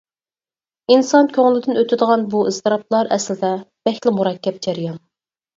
ئىنسان كۆڭلىدىن ئۆتىدىغان بۇ ئىزتىراپلار ئەسلىدە باكلا مۇرەككەپ جەريان!